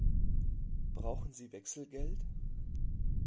Brauchen Sie Wechselgeld?